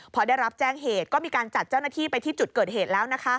พอได้รับแจ้งเหตุก็มีการจัดเจ้าหน้าที่ไปที่จุดเกิดเหตุแล้ว